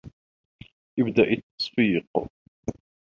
ابدأ التّصفيق.